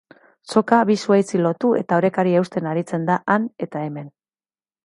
Soka bi zuhaitzi lotu eta orekari eusten aritzen da han eta hemen.